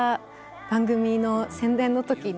番組の宣伝の時に。